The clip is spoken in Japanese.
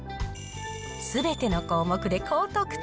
すべての項目で高得点。